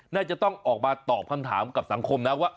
น่าจะต้องออกมาตอบคำถามกับสังคมนะว่า